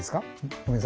ごめんなさい。